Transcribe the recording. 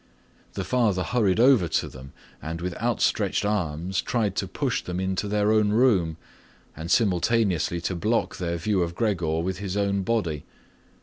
The father hurried over to them and with outstretched arms tried to push them into their own room and simultaneously to block their view of Gregor with his own body.